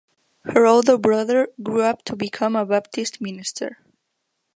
Her older brother grew up to become a Baptist minister.